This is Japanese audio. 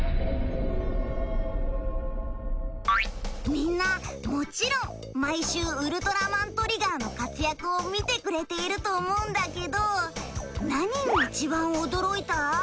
みんなもちろん毎週ウルトラマントリガーの活躍を見てくれていると思うんだけど何にいちばん驚いた？